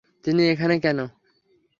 তিনি এখানে কেন?